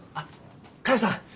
佳代さん